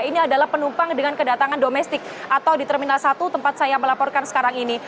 ini adalah penumpang dengan kedatangan domestik atau di terminal satu tempat saya melaporkan sekarang ini